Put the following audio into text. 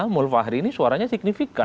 mulvahri ini suaranya signifikan